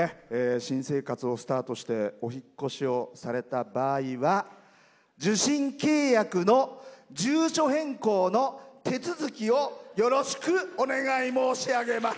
新生活をスタートしてお引っ越しをされた場合は受信契約の住所変更の手続きをよろしくお願い申し上げます。